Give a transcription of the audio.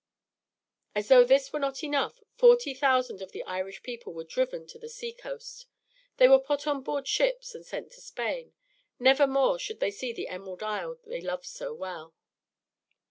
As though this were not enough, forty thousand of the Irish people were driven to the seacoast. They were put on board ships and sent to Spain. Never more should they see the Emerald Isle they loved so well.